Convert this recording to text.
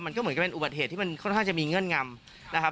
มันก็เหมือนกับเป็นอุบัติเหตุที่มันค่อนข้างจะมีเงื่อนงำนะครับ